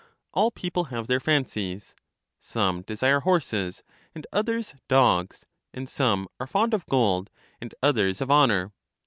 All people have their fancies; some desire horses, and others dogs; and some are fond of gold, and others of honor.